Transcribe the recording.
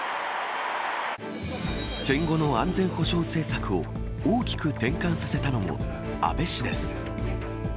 戦後の安全保障政策を大きく転換させたのも、安倍氏です。